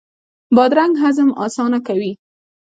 بادرنګ هضم اسانه کوي.